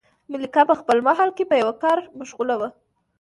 ملکه په خپل محل کې په یوه کار مشغوله وه.